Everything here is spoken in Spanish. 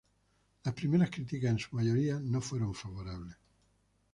Las primeras críticas, en su mayoría, no fueron favorables.